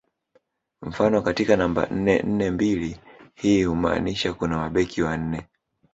Mfano katika namba nne nne mbili hii humaanisha kuna mabeki wane